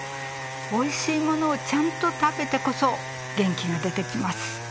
おいしいものをちゃんと食べてこそ元気が出てきます。